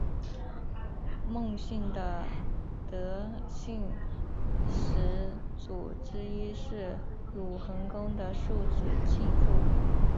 孟姓的得姓始祖之一是鲁桓公的庶子庆父。